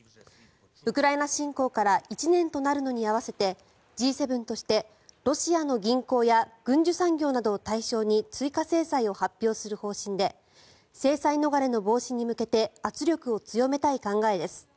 ウクライナ侵攻から１年となるのに合わせてＧ７として、ロシアの銀行や軍需産業などを対象に追加制裁を発表する方針で制裁逃れの防止に向けて圧力を強めたい考えです。